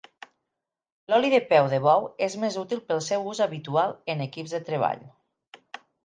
L'oli de peu de bou és més útil pel seu ús habitual en equips de treball.